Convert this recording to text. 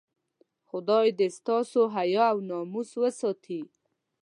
خدای دې ستاسو حیا او ناموس وساتي.